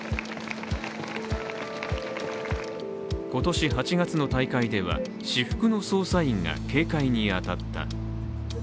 今年８月の大会では、私服の捜査員が警戒に当たった。